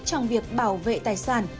trong việc bảo vệ tài sản